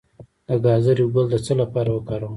د ګازرې ګل د څه لپاره وکاروم؟